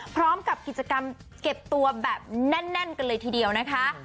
พร้อมกับกิจกรรมเก็บตัวแบบแน่นกันเลยทีเดียวนะคะ